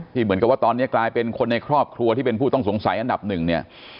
เหมือนกับว่าตอนนี้กลายเป็นคนในครอบครัวที่เป็นผู้ต้องสงสัยอันดับหนึ่งเนี่ย